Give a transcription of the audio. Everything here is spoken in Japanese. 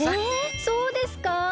えそうですか？